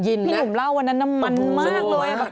พี่หนุ่มเล่าวันนั้นน้ำมันมากเลย